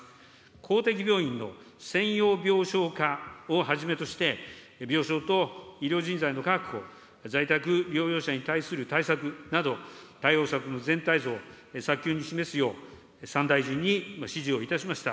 公的病院の専用病床化をはじめとして、病床と医療人材の確保、在宅療養者に対する対策など、対応策の全体像を早急に示すよう、３大臣に指示をいたしました。